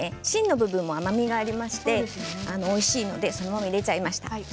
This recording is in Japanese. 芯の部分も甘みがありましておいしいのでそのまま入れちゃいました。